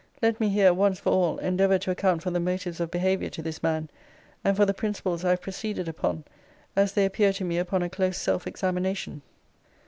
Let me here, once for all, endeavour to account for the motives of behavior to this man, and for the principles I have proceeded upon, as they appear to me upon a close self examination.